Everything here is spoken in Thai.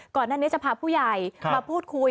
ก่อนหน้านี้จะพาผู้ใหญ่มาพูดคุย